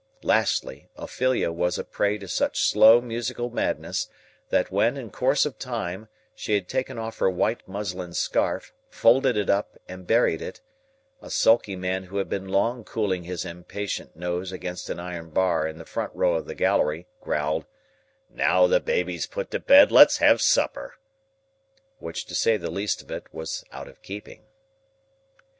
Lastly, Ophelia was a prey to such slow musical madness, that when, in course of time, she had taken off her white muslin scarf, folded it up, and buried it, a sulky man who had been long cooling his impatient nose against an iron bar in the front row of the gallery, growled, "Now the baby's put to bed let's have supper!" Which, to say the least of it, was out of keeping.